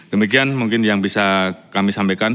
demikian mungkin yang bisa kami sampaikan